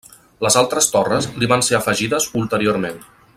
Les altres torres li van ser afegides ulteriorment.